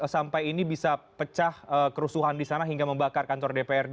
sampai ini bisa pecah kerusuhan di sana hingga membakar kantor dprd